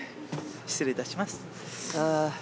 失礼いたします。